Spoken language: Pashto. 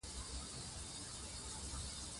شېخ ملکیار هوتک د بابا هوتک مشر زوى وو.